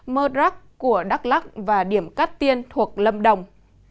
mơ đắc của đắk lắc và điểm cát tiên thuộc lâm đồng